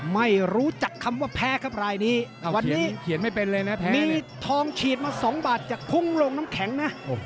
ไม่รู้จักคำว่าแพ้ครับรายนี้วันนี้มีทองฉีดมา๒บาทจะคุ้งลงน้ำแข็งนะ